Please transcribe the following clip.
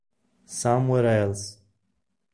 Somewhere Else